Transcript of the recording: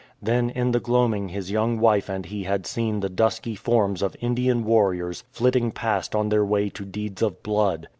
Then in the gloaming his young wife and he had seen the dusky forms of Indian warriors flitting past on their way to deeds of blood.